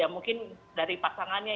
mungkin dari pasangannya